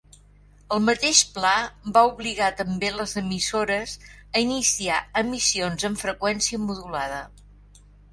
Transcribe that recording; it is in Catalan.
El mateix pla va obligar també les emissores a iniciar emissions en freqüència modulada.